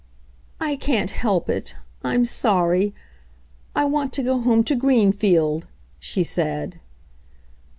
"I c can't help it, I'm sorry. I w want to go home to Green field !" she said.